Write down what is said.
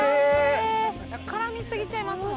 絡み過ぎちゃいますもんね。